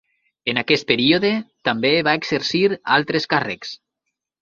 En aquest període també va exercir altres càrrecs.